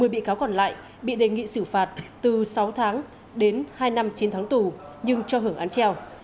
một mươi bị cáo còn lại bị đề nghị xử phạt từ sáu tháng đến hai năm chín tháng tù nhưng cho hưởng án treo